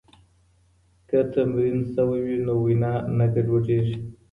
که تمرین سوی وي نو وینا نه ګډوډېږي.